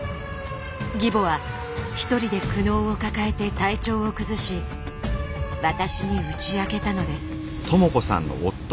義母は一人で苦悩を抱えて体調を崩し私に打ち明けたのです。